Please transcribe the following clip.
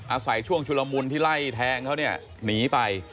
อาศัยช่วงชุลมุนที่ไล่แทงเขาเนี่ยหนีไป